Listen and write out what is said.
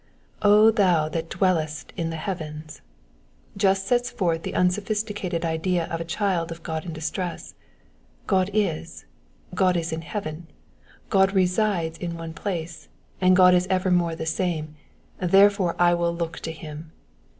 ^^0 thou that dwellest in the Iieavens,'^'^ just sets forth the unsophisticated idea of a child of God in distress: God is, God is in heaven, Goa resides in one place, and God is evermore the same, therefore will I look to him.